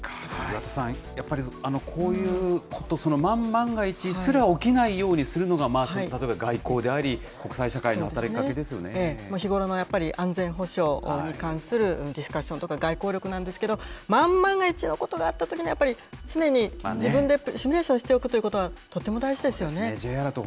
岩田さん、やっぱりこういうこと、万万が一すら起きないようにするのが、例えば外交であり、日頃のやっぱり、安全保障に関するディスカッションとか外交力なんですけど、万万が一のことがあったときにやっぱり、常に自分でシミュレーションしておくということが、とても大事ですよね。